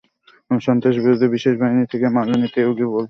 আমি সন্ত্রাস বিরোধী বিশেষ বাহিনী থেকে মালিনী তেয়াগি বলছি।